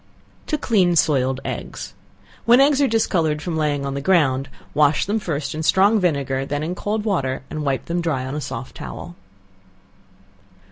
To Clean Soiled Eggs. When eggs are discolored from laying on the ground, wash them first in strong vinegar, and then in cold water, and wipe them dry on a soft towel.